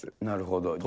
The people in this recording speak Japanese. なるほど。